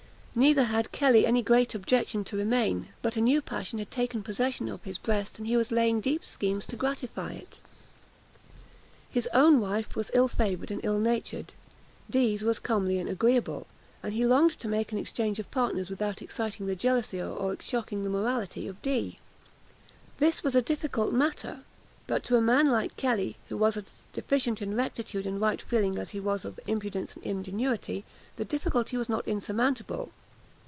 Neither had Kelly any great objection to remain; but a new passion had taken possession of his breast, and he was laying deep schemes to gratify it. His own wife was ill favoured and ill natured; Dee's was comely and agreeable; and he longed to make an exchange of partners without exciting the jealousy or shocking the morality of Dee. This was a difficult matter; but to a man like Kelly, who was as deficient in rectitude and right feeling as he was full of impudence and ingenuity, the difficulty was not insurmountable.